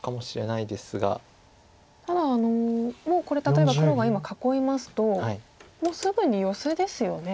ただもうこれ例えば黒が今囲いますともうすぐにヨセですよね。